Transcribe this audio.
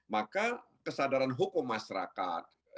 maka kesadaran hukum masyarakat